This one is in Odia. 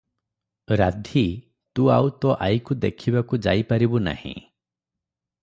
ରାଧୀ, ତୁ ଆଉ ତୋ ଆଈକୁ ଦେଖିବାକୁ ଯାଇ ପାରିବୁ ନାହିଁ ।